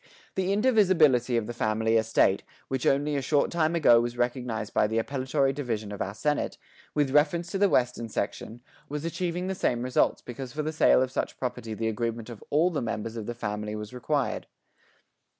The indivisibility of the family estate, which only a short time ago was recognised by the Appellatory Division of our Senate, with reference to the Western Section, was achieving the same results because for the sale of such property the agreement of all the members of the family was required.